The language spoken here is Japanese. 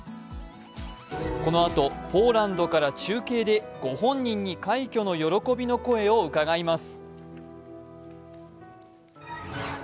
このあとポーランドから中継でご本人に快挙の喜びの声を伺います。